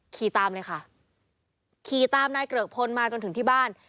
ขี่ตามเลยค่ะขี่ตามนายเกริกพลมาจนถึงที่บ้าน